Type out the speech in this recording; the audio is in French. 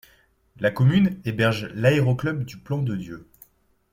La commune héberge l'aéroclub du Plan de Dieu.